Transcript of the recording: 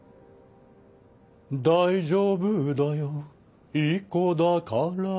「大丈夫だよいい子だから」